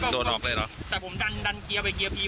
โดนออกเลยเหรอแต่ผมดันดันเกียร์ไปเกียร์พี